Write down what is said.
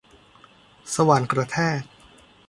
สว่านกระแทก